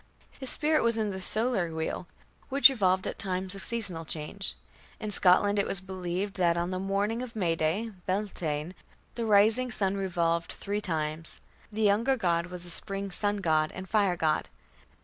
His spirit was in the solar wheel which revolved at times of seasonal change. In Scotland it was believed that on the morning of May Day (Beltaine) the rising sun revolved three times. The younger god was a spring sun god and fire god.